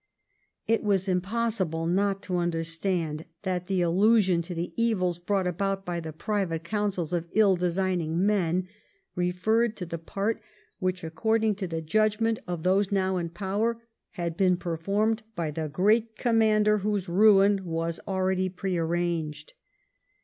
It was impossible not to understand that the allusion to the evils brought about by the private counsels of ill designing men referred to the part which, according to the judgment of those now in power, had been performed by the great com mander whose ruin was already pre arranged.